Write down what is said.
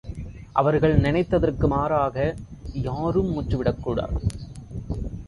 அவர்கள் நினைத்தற்கு மாறாக, யாரும் மூச்சுவிடக்கூடாது.